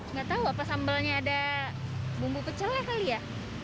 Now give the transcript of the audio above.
nggak tahu apa sambalnya ada bumbu pecelnya kali ya